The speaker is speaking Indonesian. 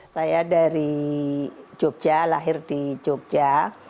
saya dari jogja lahir di jogja